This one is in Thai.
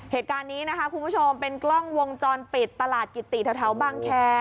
เหตุการณ์นี้นะคะคุณผู้ชมเป็นกล้องวงจรปิดตลาดกิติแถวบางแคร์